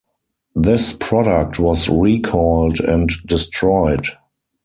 This product was recalled and destroyed.